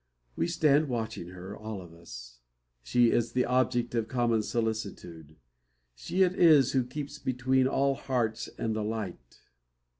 We stand watching her, all of us. She is the object of common solicitude. She it is who keeps between all hearts and the light.